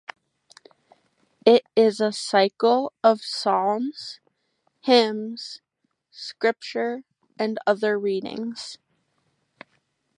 It is a cycle of psalms, hymns, scripture and other readings.